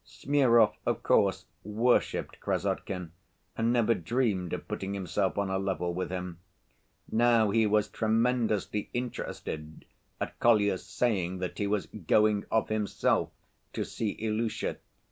Smurov, of course, worshiped Krassotkin and never dreamed of putting himself on a level with him. Now he was tremendously interested at Kolya's saying that he was "going of himself" to see Ilusha.